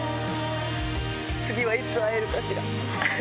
次はいつ会えるかしら。